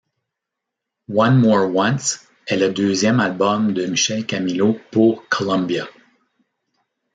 One More Once est le deuxième album de Michel Camilo pour Columbia.